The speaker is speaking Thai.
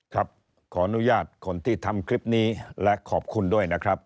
ขออนุญาตคนที่ทำคลิปนี้และขอบคุณด้วยนะครับ